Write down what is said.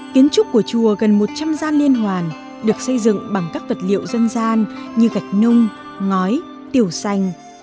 kiến trúc của chùa gần một trăm linh gian liên hoàn được xây dựng bằng các vật liệu dân gian như gạch nung ngói tiểu xanh